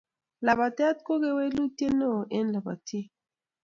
lapatet ko kewelutyet neo eng lapatik